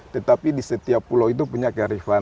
tetapi di setiap pulau itu punya kearifan lokal masyarakat itu